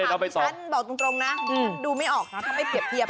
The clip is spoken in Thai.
ฉันบอกตรงนะดิฉันดูไม่ออกนะถ้าไม่เปรียบเทียบ